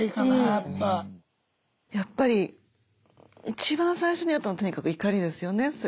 やっぱり一番最初にあったのはとにかく怒りですよね。